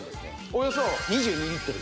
およそ２２リットル